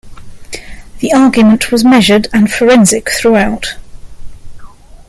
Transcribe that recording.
The argument was measured and forensic throughout.